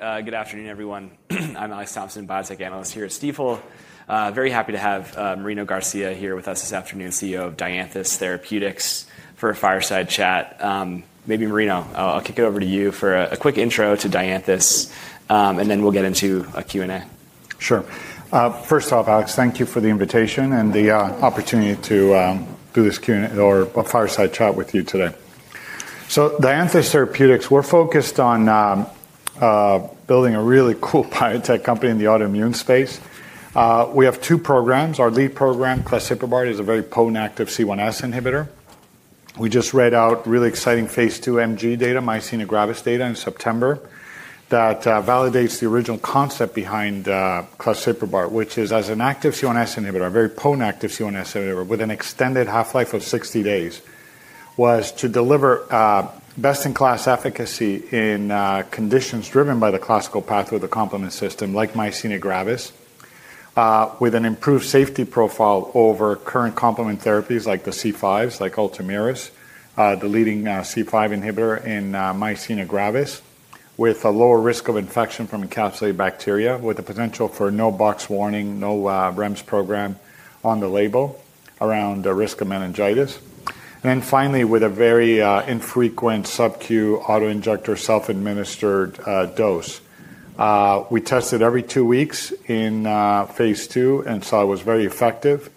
Good afternoon everyone. I'm Alex Thompson, biotech analyst here at Stifel. Very happy to have Marino Garcia here with us this afternoon, CEO of Dianthus Therapeutics for a fireside chat. Maybe Marino, I'll kick it over to you for a quick intro to Dianthus and then we'll get into a Q&A. Sure. First off, Alex, thank you for the invitation and the opportunity to do this Q&A or a fireside chat with you today. So Dianthus Therapeutics, we're focused on building a really cool biotech company in the autoimmune space. We have two programs. Our lead program, Claseprubart, is a very potent active C1s inhibitor. We just read out really exciting phase II MG data, Myasthenia Gravis data in September that validates the original concept behind Claseprubart, which is as an active C1s inhibitor. A very potent active C1s inhibitor with an extended half-life of 60 days was to deliver best-in-class efficacy in conditions driven by the classical pathway of the complement system like Myasthenia Gravis, with an improved safety profile over current complement therapies like the C5s, like ULTOMIRIS, the leading C5 inhibitor in Myasthenia Gravis, with a lower risk of infection from encapsulated bacteria with the potential for no box warning, no REMS program in the label around the risk of meningitis, and then finally with a very infrequent SubQ auto-injector self-administered dose. We tested every two weeks in phase II and saw it was very effective.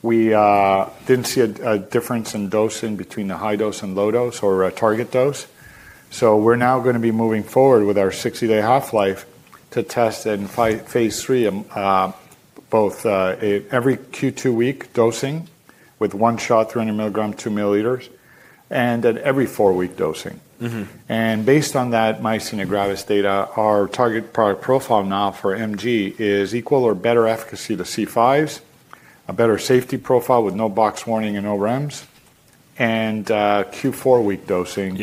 We did not see a difference in dosing between the high dose and low dose or a target dose. We're now going to be moving forward with our 60 day half-life to test in phase III, both every Q2 week dosing with one shot 300 mg 2 ml and at every four week dosing. Based on that Myasthenia Gravis data, our target product profile now for MG is equal or better efficacy to C5s, a better safety profile with no box warning and no REMS, and Q4 week dosing,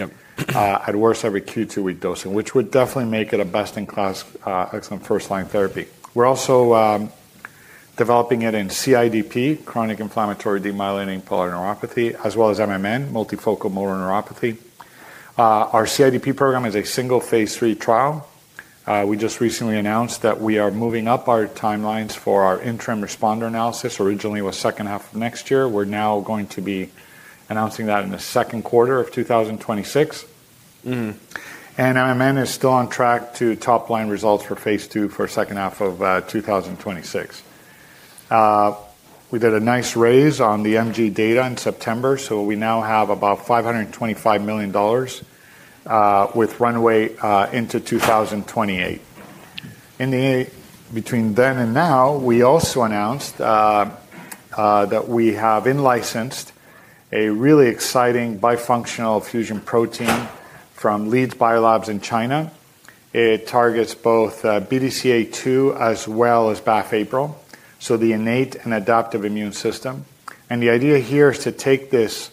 at worst every Q2 week dosing, which would definitely make it a best-in-class excellent first-line therapy. We're also developing it in CIDP, Chronic Inflammatory Demyelinating Polyneuropathy, as well as MMN, Multifocal Motor Neuropathy. Our CIDP program is a single phase III trial. We just recently announced that we are moving up our timelines for our interim responder analysis. Originally it was second half of next year. We're now going to be announcing that in the second quarter of 2026. And MMN is still on track to top line results for phase II for second half of 2026. We did a nice raise on the MG data in September. So we now have about $525 million with runway into 2028 between then and now. We also announced that we have in-licensed a really exciting Bifunctional Fusion Protein from Leads Biolabs in China. It targets both BDCA-2 as well as BAFF/APRIL. So the innate and adaptive immune system. And the idea here is to take this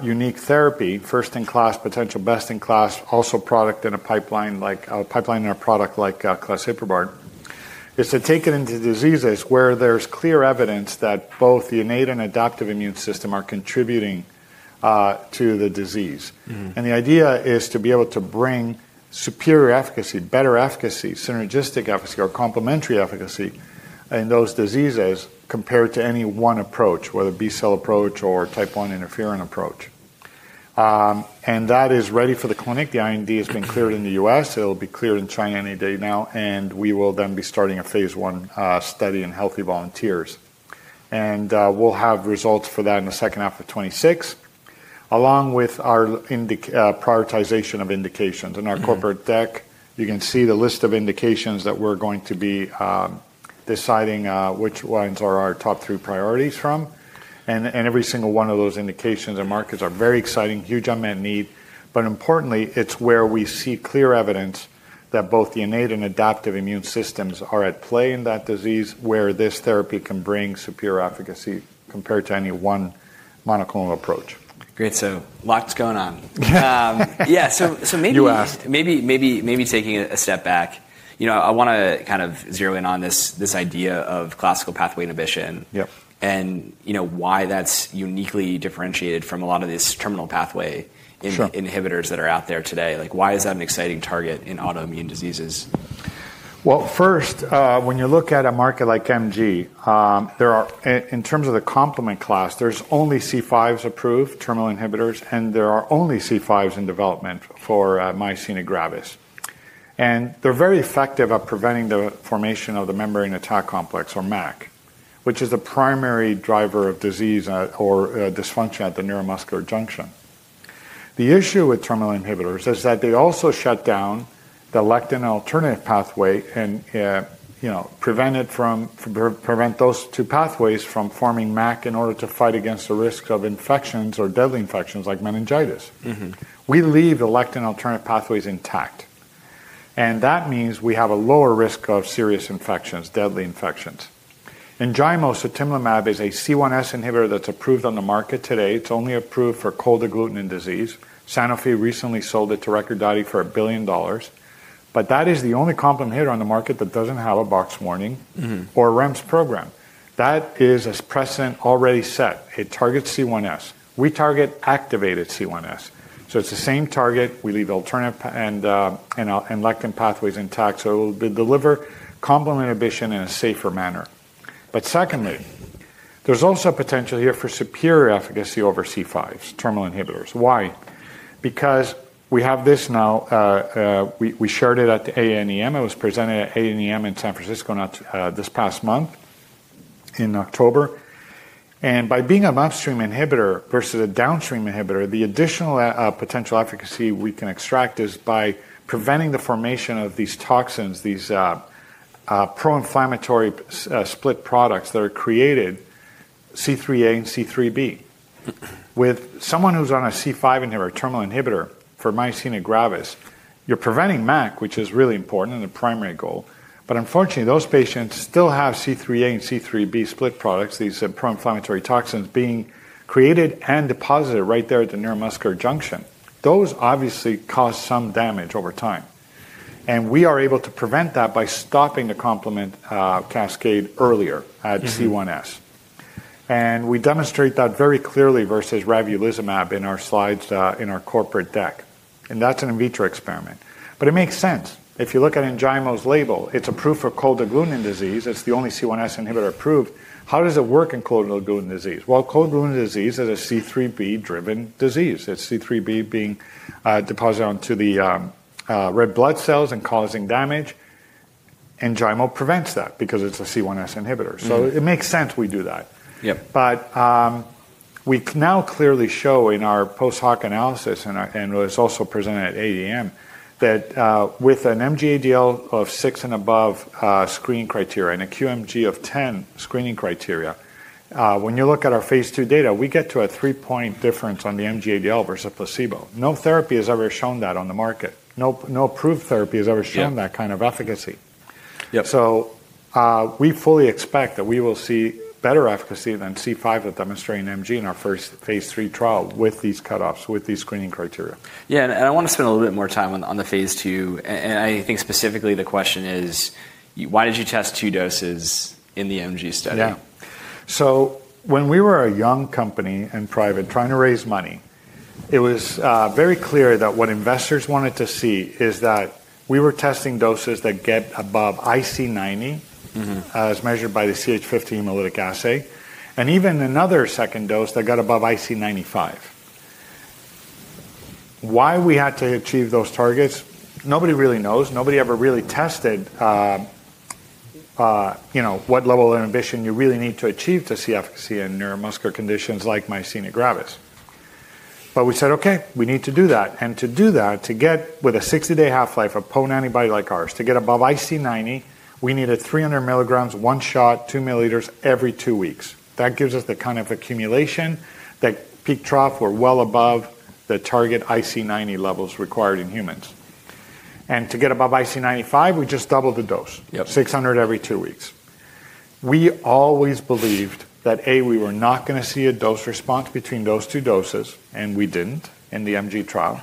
unique therapy first in class, potential best in class. Also product in a pipeline like pipeline in a product like Claseprubart is to take it into diseases where there's clear evidence that both the innate and adaptive immune system are contributing to the disease. The idea is to be able to bring superior efficacy, better efficacy, synergistic efficacy or complementary efficacy in those diseases compared to any one approach, whether B cell approach or type one interferon approach. That is ready for the clinic. The IND has been cleared in the U.S. It will be cleared in China any day now. We will then be starting a phase one in healthy volunteers and we'll have results for that in second half of 2026. Along with our prioritization of indications in our corporate deck, you can see the list of indications that we're going to be deciding which ones are our top three priorities from. Every single one of those indications and markets are very exciting. Huge unmet need. Importantly, it's where we see clear evidence that both the innate and adaptive immune systems are at play in that disease where this therapy can bring superior efficacy compared to any one monoclonal approach. Great. So lots going on. Yeah. You asked. Maybe taking a step back, I want to kind of zero in on this idea of classical pathway inhibition and why that's uniquely differentiated from a lot of these terminal pathway inhibitors that are out there today. Like why is that an exciting target in autoimmune diseases? First, when you look at a market like MG, there are, in terms of the complement class, only C5s approved terminal inhibitors and there are only C5s in development for Myasthenia Gravis. They're very effective at preventing the formation of the Membrane Attack Complex or MAC, which is the primary driver of disease or dysfunction at the neuromuscular junction. The issue with terminal inhibitors is that they also shut down the lectin and alternative pathway and prevent those two pathways from forming MAC. In order to fight against the risks of infections or deadly infections like meningitis, we leave the lectin and alternative pathways intact and that means we have a lower risk of serious infections, deadly infections. ENJAYMO sutimlimab is a C1s inhibitor that's approved on the market today. It's only approved for Cold Agglutinin Disease. Sanofi recently sold it to Recordati for $1 billion. That is the only complement inhibitor on the market that doesn't have a box warning or REMS program. That is a precedent already set. It targets C1s. We target activated C1s so it's the same target. We leave alternate and lectin pathways intact, so deliver complement inhibition in a safer manner. Secondly, there's also potential here for superior efficacy over C5 terminal inhibitors. Why? Because we have this now. We shared it at the AANEM. It was presented at AANEM in San Francisco this past month in October. By being an upstream inhibitor versus a downstream inhibitor, the additional potential efficacy we can extract is by preventing the formation of these toxins. These pro-inflammatory split products that are created, C3a and C3b. With someone who's on a C5 inhibitor, terminal inhibitor for Myasthenia Gravis, you're preventing MAC, which is really important and the primary goal. Unfortunately those patients still have C3a and C3b split products. These pro-inflammatory toxins are being created and deposited right there at the neuromuscular junction. Those obviously cause some damage over time and we are able to prevent that by stopping the complement cascade earlier at C1s. We demonstrate that very clearly versus ravulizumab in our slides in our corporate deck. That is an in vitro experiment, but it makes sense. If you look at ENJAYMO's label, it is approved for Cold Agglutinin Disease. It is the only C1s inhibitor approved. How does it work in Cold Agglutinin Disease? Cold agglutinin disease is a C3b-driven disease. It is C3b being deposited onto the red blood cells and causing damage. ENJAYMO prevents that because it is a C1s inhibitor. It makes sense we do that. We now clearly show in our post hoc analysis, and it's also presented at ADM, that with an MGADL of six and above screening criteria and a QMG of 10 screening criteria, when you look at our phase II data, we get to a three point difference on the MGADL versus placebo. No therapy has ever shown that on the market. No approved therapy has ever shown that kind of efficacy. We fully expect that we will see better efficacy than C5 of demonstrating MG in our first phase III trial with these cutoffs, with these screening criteria. Yeah, and I want to spend a little bit more time on the phase II. I think specifically the question is, why did you test two doses in the MG study? When we were a young company and private trying to raise money, it was very clear that what investors wanted to see is that we were testing doses that get above IC90 as measured by the CH50 hemolytic assay and even another second dose that got above IC95. Why we had to achieve those targets, nobody really knows, nobody ever really tested what level of inhibition you really need to achieve to see efficacy in neuromuscular conditions like Myasthenia Gravis. We said, okay, we need to do that. To do that, to get with a 60 day half life of potent antibody like ours, to get above IC90, we needed 300 milligrams, one shot, 2 milliliters every two weeks. That gives us the kind of accumulation, that peak trough. We are well above the target IC90 levels required in humans. To get above IC95, we just doubled the dose, 600 every two weeks. We always believed that, a, we were not going to see a dose response between those two doses and we did not. In the MG trial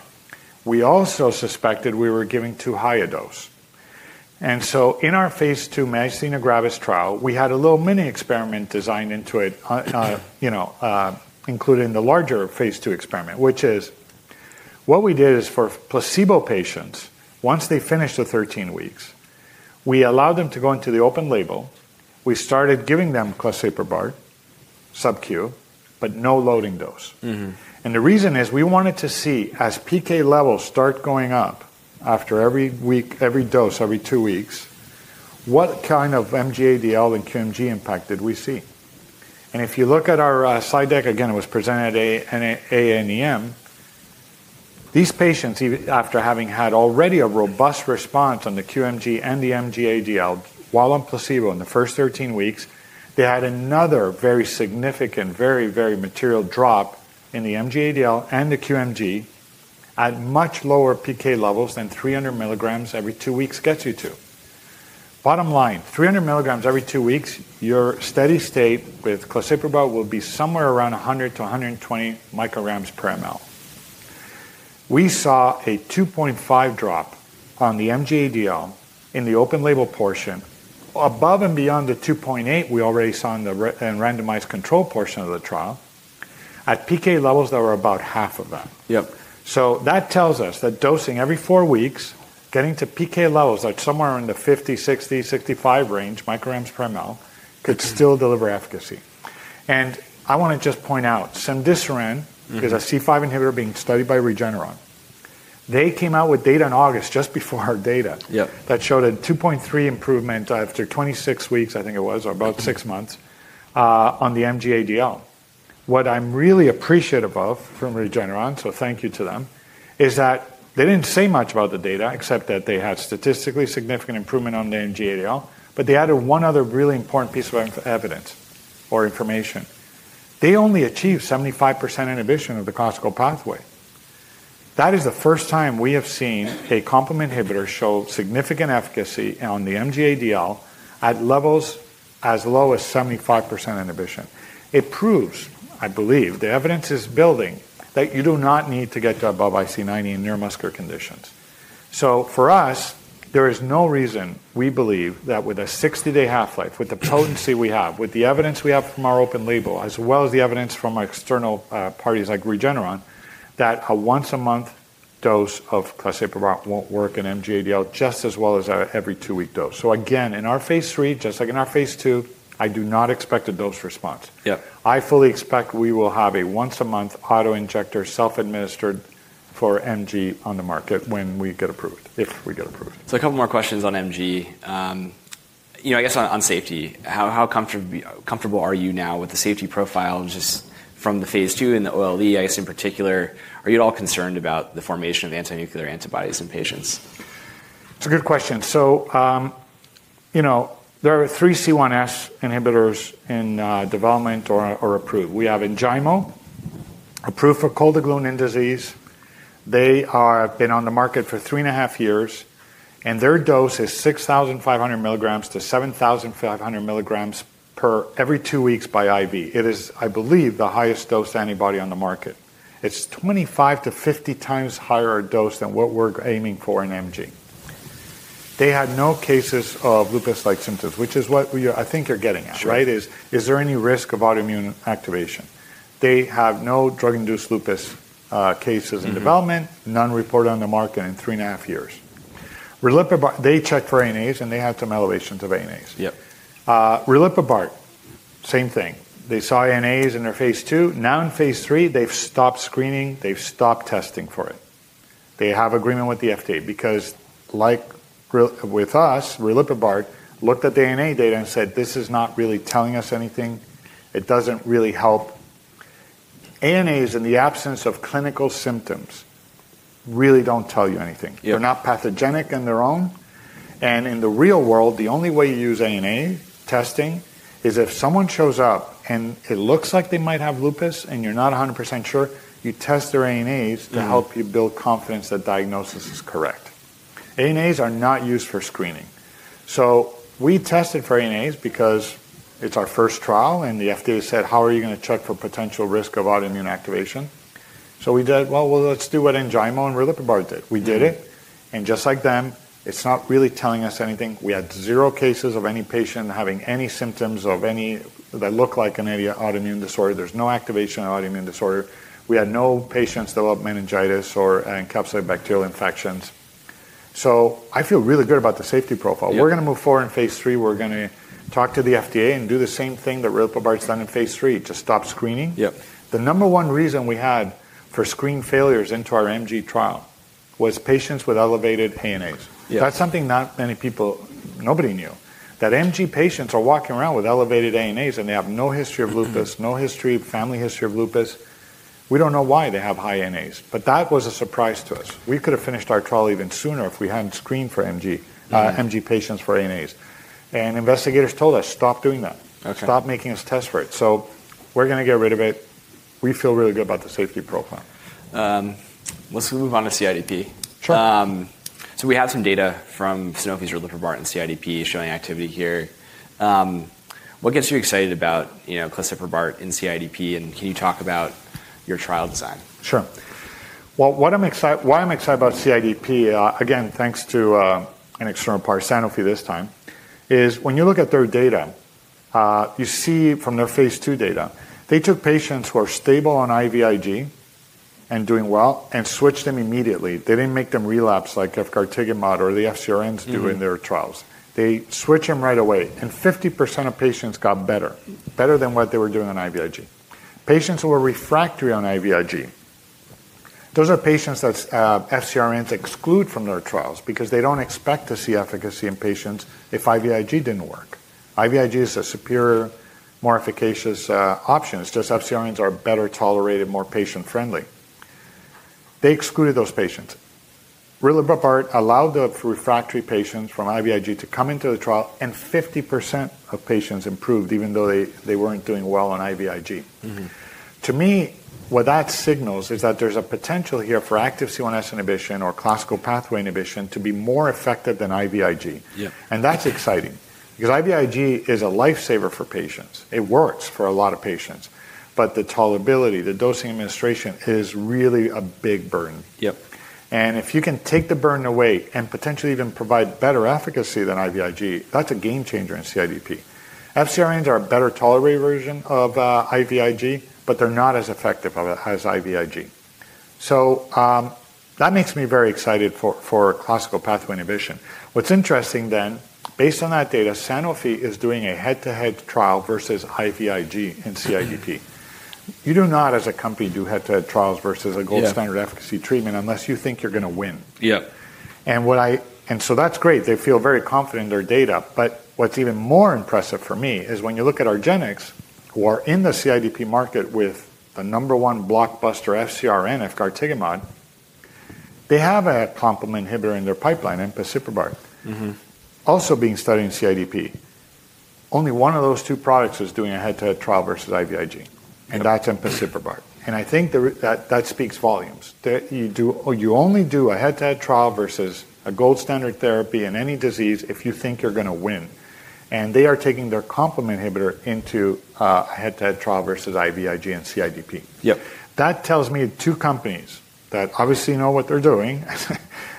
we also suspected we were giving too high a dose. In our phase II Myasthenia Gravis trial, we had a little mini experiment designed into it, including the larger phase II experiment, which is what we did is for placebo patients, once they finished the 13 weeks, we allowed them to go into the open label, we started giving them Claseprubart SubQ but no loading dose. The reason is we wanted to see, as PK levels start going up after every week, every dose every two weeks, what kind of MG-ADL and QMG impact did we see? If you look at our slide deck again, it was presented at AANEM. These patients, after having had already a robust response on the QMG and the MG-ADL while on placebo in the first 13 weeks, they had another very significant, very, very material drop in the MG-ADL and the QMG at much lower PK levels than 300 mg every two weeks gets you to. Bottom line, 300 mg every two weeks, your steady state with Claseprubart will be somewhere around 100 to 120 micrograms per milliliter. We saw a 2.5 drop on the MG-ADL in the open label portion above and beyond the 2.8 we already saw in the randomized control portion of the trial at PK levels that were about half of that. That tells us that dosing every four weeks, getting to PK levels like somewhere in the 50-60-65 range micrograms per milliliter could still deliver efficacy. I want to just point out cemdisiran is a C5 inhibitor being studied by Regeneron. They came out with data in August just before our data that showed a 2.3 improvement after 26 weeks, I think it was, or about six months on the MG-ADL. What I'm really appreciative of from Regeneron, so thank you to them, is that they did not say much about the data except that they had statistically significant improvement on the MG-ADL. They added one other really important piece of evidence or information. They only achieved 75% inhibition of the classical pathway. That is the first time we have seen a complement inhibitor show significant efficacy on the MG-ADL at levels as low as 75% inhibition. It proves, I believe the evidence is building that you do not need to get to above IC90 in neuromuscular conditions. For us there is no reason, we believe that with a 60 day half life with the potency we have, with the evidence we have from our open label as well as the evidence from our external parties like Regeneron that a once a month dose of Claseprubart will work in MG-ADL just as well as every two week dose. Again in our phase III, just like in our phase II, I do not expect a dose response. I fully expect we will have a once a month auto injector self administered for MG on the market when we get approved, if we get approved. A couple more questions on MG, you know, I guess on safety. How comfortable are you now with the safety profile? Just from the phase II and the OLE, ICE in particular. Are you at all concerned about the formation of antinuclear antibodies in patients? It's a good question. So you know there are three C1s inhibitors in development or approved. We have ENJAYMO approved for Cold Agglutinin Disease. They have been on the market for three and a half years and their dose is 6,500 mg-7,500 mg per every two weeks by IV. It is, I believe, the highest dose antibody on the market. It's 25-50x higher dose than what we're aiming for. In MG, they had no cases of lupus-like symptoms. Which is what I think you're getting at. Right. Is, is there any risk of autoimmune activation? They have no drug-induced lupus cases in development, none reported on the market in three and a half years. They check for ANAs and they had some elevations of ANAs. Yep. LiptoBART, same thing. They saw ANAs in their phase II. Now in phase III, they've stopped screening, they've stopped testing for it. They have agreement with the FDA because like with us, LiptoBART looked at the ANA data and said, this is not really telling us anything. It doesn't really help. ANAs in the absence of clinical symptoms really don't tell you anything. They're not pathogenic on their own. In the real world, the only way you use ANA testing is if someone shows up and it looks like they might have lupus and you're not 100% sure, you test their ANAs to help you build confidence that diagnosis is correct. ANAs are not used for screening. We tested for ANAs because it's our first trial and the FDA said, how are you going to check for potential risk of autoimmune activation? We did, well, let's do what ENJAYMO and LiptoBART did. We did it and just like them, it's not really telling us anything. We had zero cases of any patient having any symptoms of any that look like an autoimmune disorder. There's no activation of autoimmune disorder. We had no patients develop meningitis or encapsulated bacterial infections. I feel really good about the safety profile. We're move forward in phase III. We're going to talk to the FDA and do the same thing that LiptoBART's done in phase III to stop screening. The number one reason we had for screen failures into our MG trial was patients with elevated ANAs. That's something not many people, nobody knew that MG patients are walking around with elevated ANAs and they have no history of lupus, no history, family history of lupus. We don't know why they have high ANAs, but that was a surprise to us. We could have finished our trial even sooner if we hadn't screened for MG patients for ANAs and investigators told us, stop doing that, stop making us test for it. We feel really good about the safety profile. Let's move on to CIDP. Sure. We have some data from Sanofi's LiptoBART and CIDP showing activity here. What gets you excited about Claseprubart in CIDP and can you talk about your trial design? Sure. Why I'm excited about CIDP again thanks to an external, Sanofi this time, is when you look at their data, you see from their phase II data they took patients who are stable on IVIG and doing well and switched them immediately. They didn't make them relapse like efgartigimod or the FcRns do in their trials. They switched them right away and 50% of patients got better. Better than what they were doing on IVIG. Patients who were refractory on IVIG, those are patients that FcRns exclude from their trials because they don't expect to see efficacy in patients if IVIG didn't work. IVIG is a superior, more efficacious option. It's just FcRns are better tolerated, more patient friendly. They excluded those patients. Claseprubart allowed the refractory patients from IVIG to come into the trial and 50% of patients improved even though they were not doing well on IVIG. To me, what that signals is that there is a potential here for active C1s inhibition or classical pathway inhibition to be more effective than IVIG. That is exciting because IVIG is a lifesaver for patients. It works for a lot of patients. The tolerability, the dosing, administration is really a big burden. If you can take the burden away and potentially even provide better efficacy than IVIG, that is a game changer in CIDP. FcRns are a better tolerated version of IVIG, but they are not as effective as IVIG. That makes me very excited for classical pathway inhibition. What is interesting then, based on that data, Sanofi is doing a head-to-head trial versus IVIG in CIDP. You do not, as a company, do head to head trials versus a gold standard efficacy treatment unless you think you're going to win. Yeah. And what I. And so that's great. They feel very confident in their data. What's even more impressive for me is when you look at Argenx, who are in the CIDP market with the number one blockbuster FcRn efgartigimod. They have a complement inhibitor in their pipeline, Empasiprubart, also being studied in CIDP. Only one of those two products is doing a head to head trial versus IVIG and that's Empasiprubart, and I think that speaks volumes. You only do a head to head trial versus a gold standard therapy in any disease if you think you're going to win. They are taking their complement inhibitor into head to head trial versus IVIG in CIDP. Yep. That tells me two companies that obviously know what they're doing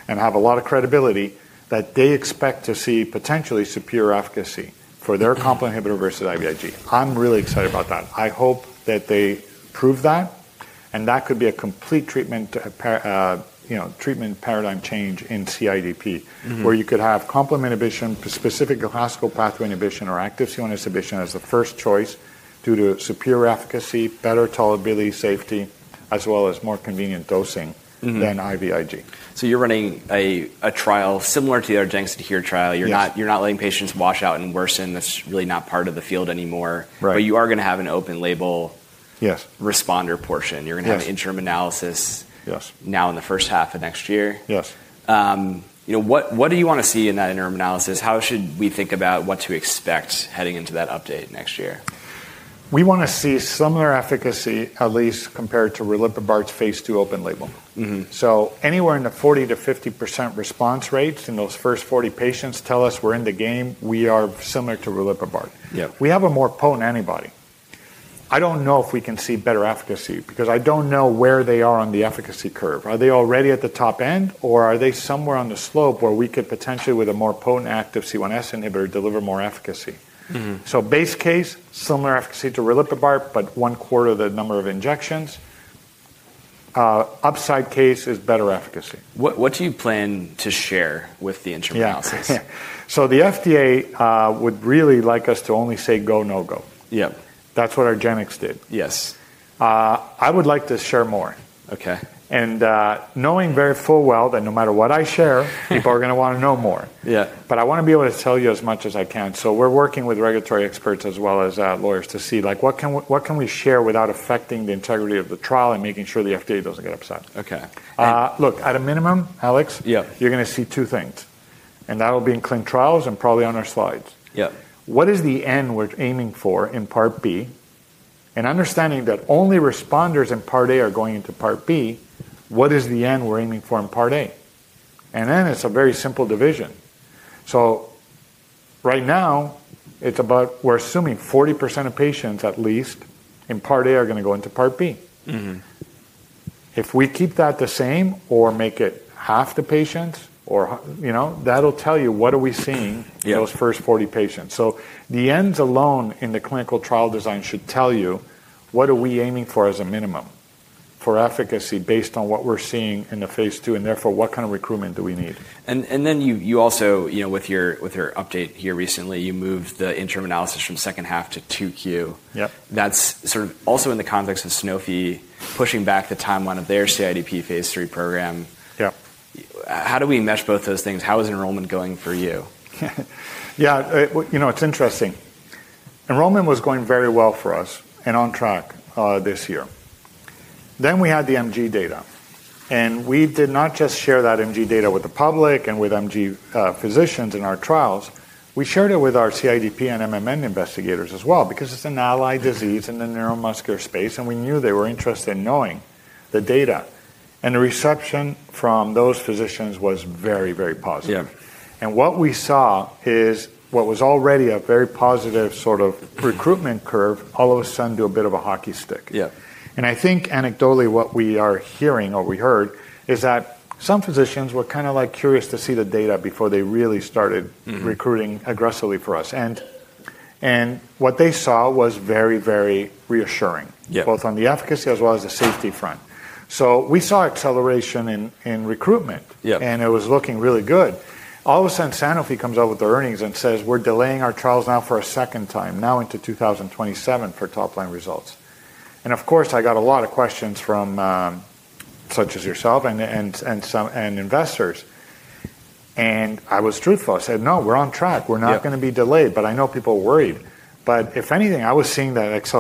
and have a lot of credibility that they expect to see potentially superior efficacy for their complement inhibitor versus IVIG. I'm really excited about that. I hope that they prove that and that could be a complete treatment paradigm change in CIDP where you could have complement inhibition, specific classical pathway inhibition or active C1s inhibition as the first choice due to superior efficacy, better tolerability, safety as well as more convenient dosing than IVIG. You're running a trial similar to the Argenx trial. You're not letting patients wash out and worsen. That's really not part of the field anymore. You are going to have an open label responder portion. You're going to have interim analysis now in the first half of next year. What do you want to see in that interim analysis? How should we think about what to expect heading into that update next year? We want to see similar efficacy at least compared to LiptoBART's phase II open label. Anywhere in the 40%-50% response rates in those first 40 patients tells us we're in the game. We are similar to LiptoBART. We have a more potent antibody. I don't know if we can see better efficacy because I don't know where they are on the efficacy curve. Are they already at the top end or are they somewhere on the slope where we could potentially, with a more potent active C1s inhibitor, deliver more efficacy. Base case, similar efficacy to LiptoBART but one-fourth the number of injections. Upside case is better efficacy. What do you plan to share with the interim analysis? The FDA would really like us to only say go, no go. Yep. That's what Argenx did. Yes. I would like to share more. Okay. And knowing very full well that no matter what I share, people are going to want to know more. But I want to be able to tell you as much as I can. We are working with regulatory experts as well as lawyers to see like what can we share without affecting the integrity of the trial and making sure the FDA does not get upset. Okay. Look, at a minimum, Alex, you are going to see two things, and that will be in clinical trials and probably on our slides. What is the end we are aiming for in part B? And understanding that only responders in part A are going into part B. What is the end we are aiming for in part A? It's a very simple division. Right now it's about, we're assuming 40% of patients, at least in part A, are going to go into part B. If we keep that the same or make it half the patients or, you know, that'll tell you what are we seeing in those first 40 patients. The ends alone in the clinical trial design should tell you what are we aiming for as a minimum for efficacy based on what we're seeing in the phase II, and therefore what kind of recruitment do we need? You also, you know, with your update here recently, you moved the interim analysis from second half to 2Q. That's sort of also in the context of Sanofi pushing back the timeline of their CIDP phase III program. Yeah. How do we mesh both those things? How is enrollment going for you? Yeah, you know, it's interesting. Enrollment was going very well for us and on track this year. We had the MG data. We did not just share that MG data with the public and with MG physicians in our trials. We shared it with our CIDP and MMN investigators as well, because it's an allied disease in the neuromuscular space. We knew they were interested in knowing the data. The reception from those physicians was very, very positive. What we saw is what was already a very positive sort of recruitment curve all of a sudden do a bit of a hockey stick. I think anecdotally what we are hearing or we heard is that some physicians were kind of like curious to see the data before they really started recruiting aggressively for us. What they saw was very, very reassuring, both on the efficacy as well as the safety front. We saw acceleration in recruitment and it was looking really good. All of a sudden Sanofi comes out with their earnings and says, we're delaying our trials now for a second time now into 2027 for top line results. Of course, I got a lot of questions from such as yourself and investors. I was truthful. I said, no, we're on track, we're not going to be delayed. I know people worried, but if anything, I was seeing that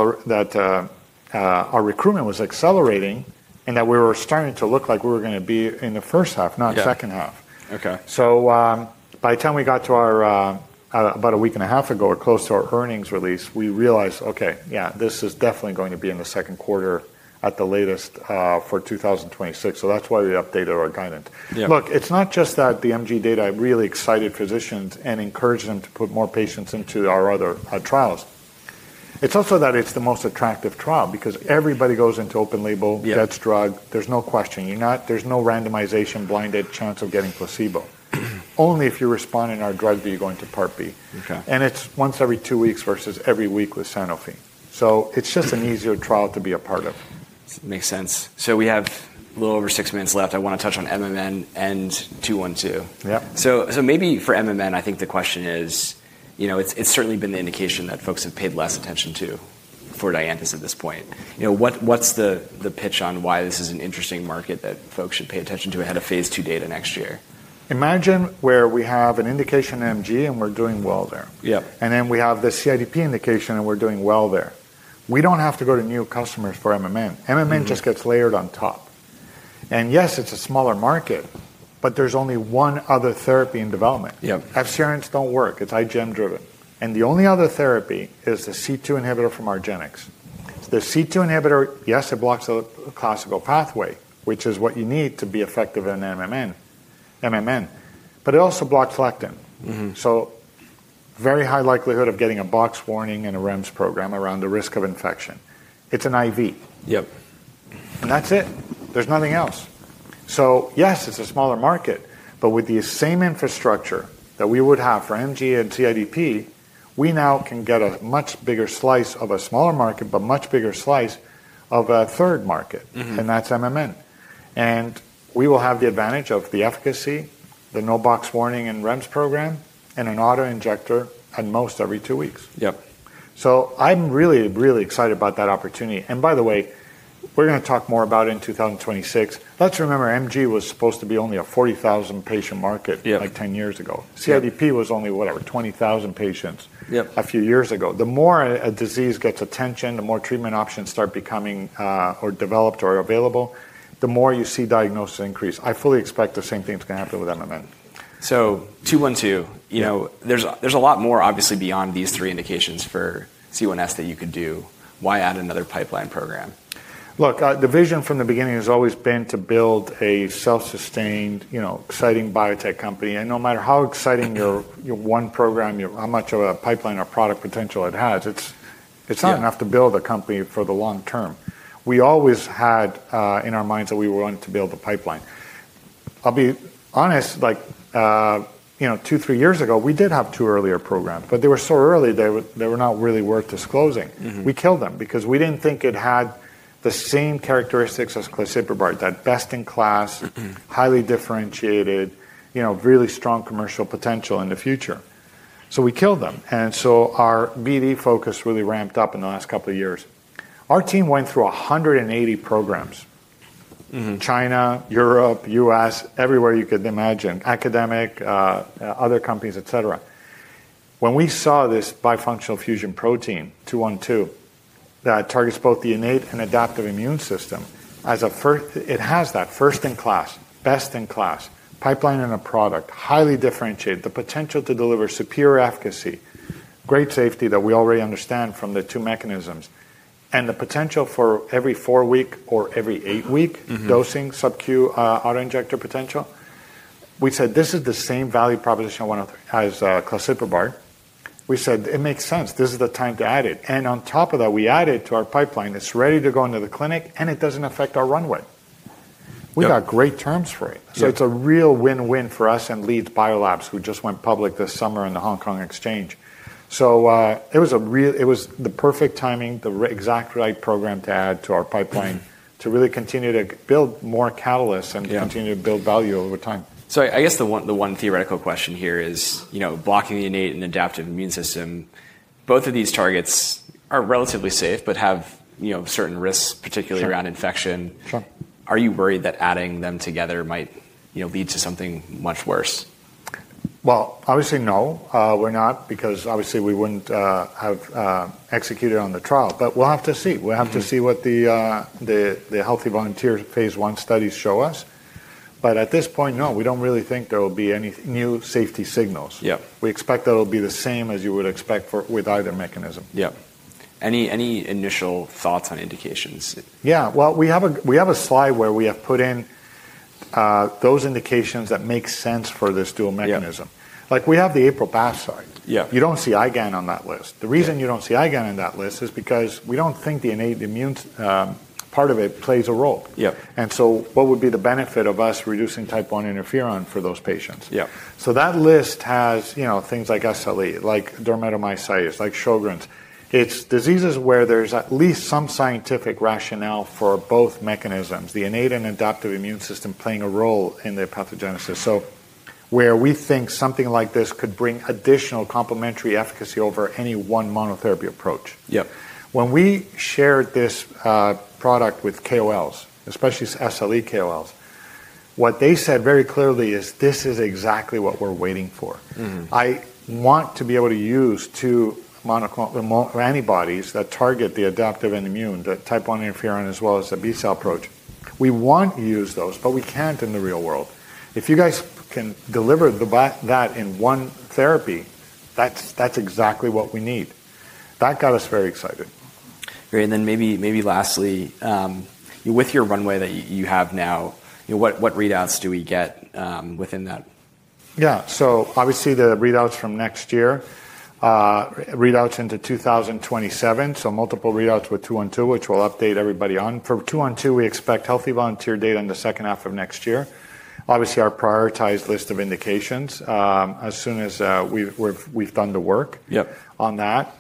our recruitment was accelerating and that we were starting to look like we were going to be in the first half, not second half. Okay. So by the time we got to about a week and a half ago or close to our earnings release, we realized, okay, yeah, this is definitely going to be in the second quarter at the latest for 2026. That's why we updated our guidance. Look, it's not just that the MG data really excited physicians and encouraged them to put more patients into our other trials. It's also that it's the most attractive trial because everybody goes into open label, gets drug. There's no question, there's no randomization, blinded chance of getting placebo. Only if you respond in our drug do you go into part B, and it's once every two weeks versus every week with Sanofi. It's just an easier trial to be a part of. Makes sense. We have a little over six minutes left. I want to touch on MMN and 212. Maybe for MMN, I think the question is, you know, it's certainly been the indication that folks have paid less attention to for Dianthus at this point. You know, what's the pitch on why this is an interesting market that folks should pay attention to ahead of phase II data next year. Imagine where we have an indication MG and we're doing well there. Yeah. Then we have the CIDP indication and we're doing well there. We don't have to go to new customers for MMN. MMN just gets layered on top. Yes, it's a smaller market, but there's only one other therapy in development. FcRns don't work. It's IgM driven. The only other therapy is the C2 inhibitor from Argenx. The C2 inhibitor? Yes, it blocks the classical pathway, which is what you need to be effective in MMN, but it also blocks lectin. Very high likelihood of getting a box warning and a REMS program around the risk of infection. It's an IV. Yep. That's it. There's nothing else. Yes, it's a smaller market, but with the same infrastructure that we would have for MG and CIDP, we now can get a much bigger slice of a smaller market, but a much bigger slice of a third market. That is MMN. We will have the advantage of the efficacy, the no box warning and REMS program, and an auto injector at most every two weeks. Yep. I'm really, really excited about that opportunity. By the way, we're going to talk more about it in 2026. Let's remember, MG was supposed to be only a 40,000 patient market like 10 years ago, CIDP was only, whatever, 20,000 patients a few years ago. The more a disease gets attention, the more treatment options start becoming or developed or available, the more you see diagnosis increase. I fully expect the same thing can happen with MMN. 212. There's a lot more obviously beyond these three indications for C1s that you could do. Why add another pipeline program? Look, the vision from the beginning has always been to build a self-sustained, exciting biotech company. No matter how exciting your one program, how much of a pipeline or product potential it has, it's not enough to build a company for the long term. We always had in our minds that we wanted to build a pipeline. I'll be honest, like, you know, two, three years ago. We did have two earlier programs, but they were so early they were not really worth disclosing. We killed them because we didn't think it had the same characteristics as Claseprubart, that best-in-class, highly differentiated, you know, really strong commercial potential in the future. We killed them. Our BD focus really ramped up in the last couple of years. Our team went through 180 programs. China, Europe, US, everywhere you could imagine, academic, other companies, et cetera. When we saw this bifunctional fusion protein 212 that targets both the innate and adaptive immune system. It has that first in class, best in class pipeline in a product, highly differentiated, the potential to deliver superior efficacy, great safety that we already understand from the two mechanisms and the potential for every four week or every eight week dosing, sub Q auto injector potential. We said this is the same value proposition as Claseprubart. We said it makes sense, this is the time to add it. On top of that we add it to our pipeline, it's ready to go into the clinic and it doesn't affect our runway. We got great terms for it. It is a real win win for us and Leads Biolabs who just went public this summer in the Hong Kong exchange. It was the perfect timing, the exact right program to add to our pipeline to really continue to build more catalysts and continue to build value over time. I guess the one theoretical question here is blocking the innate and adaptive immune system. Both of these targets are relatively safe but have certain risks, particularly around infection. Are you worried that adding them together might lead to something much worse? Obviously, no, we're not because obviously we wouldn't have executed on the trial. We'll have to see, we'll have to see what the healthy volunteer phase one studies show us. At this point, no, we don't really think there will be any new safety signals. We expect that it will be the same as you would expect with either mechanism. Yeah. Any initial thoughts on indications? Yeah, we have a slide where we have put in those indications that make sense for this dual mechanism. Like we have the APRIL/BAFF side. You do not see IgAN on that list. The reason you do not see IgAN in that list is because we do not think the innate immune part of it plays a role. What would be the benefit of us reducing Type I Interferon for those patients? That list has things like SLE, like dermatomyositis, like Sjögren's. It is diseases where there is at least some scientific rationale for both mechanisms, the innate and adaptive immune system playing a role in the pathogenic. Where we think something like this could bring additional complementary efficacy over any one monotherapy approach. When we shared this product with KOLs, especially SLE KOLs, what they said very clearly is, this is exactly what we are waiting for. I want to be able to use two antibodies that target the adaptive and immune, the type 1 interferon as well as the B cell approach. We want to use those, but we can't in the real world. If you guys can deliver that in one therapy, that's exactly what we need. That got us very excited. Great. Maybe lastly, with your runway that you have now, what readouts do we get within that? Yeah, so obviously the readouts from next year, readouts into 2027. Multiple readouts with 212, which we'll update everybody on for 212. We expect healthy volunteer data in the second half of next year. Obviously, our prioritized list of indications, as soon as we've done the work on that,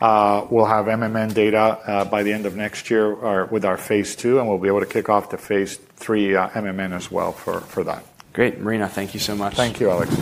we'll have MMN data by the end of next year with our phase II, and we'll be able to kick off the phase III MMN as well for that. Great. Marino, thank you so much. Thank you, Alex.